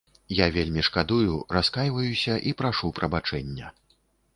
Я вельмі шкадую, раскайваюся і прашу прабачэння.